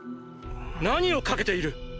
何を賭けている？